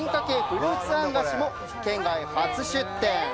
フルーツ餡菓子も県外初出店。